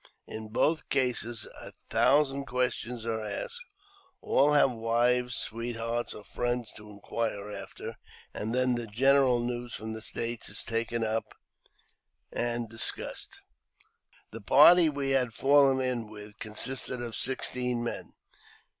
In both cases a thousand questions are asked ; all have wives, sweethearts, or friends to inquire after, and then the general news from the States is taken up and dis cussed. 74 AUTOBIOGBAPHY OF JAMES P. BECKWOUBTK. The party we had fallen in with consisted of sixteen men.